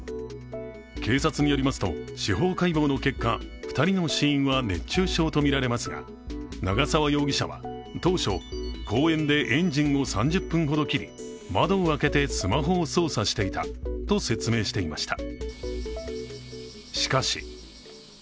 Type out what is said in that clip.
警察によりますと司法解剖の結果、２人の死因は熱中症とみられますが長沢容疑者は当初公園でエンジンを３０分ほど切り窓を開けてスマホを操作していたと説明していました。